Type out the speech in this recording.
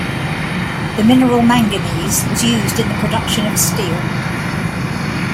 The mineral manganese was used in the production of steel.